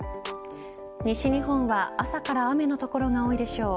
西日本は朝から雨の所が多いでしょう。